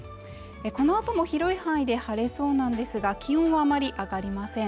このあとも広い範囲で晴れそうなんですが気温はあまり上がりません